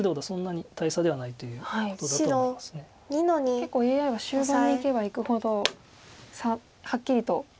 結構ＡＩは終盤にいけばいくほど差はっきりと。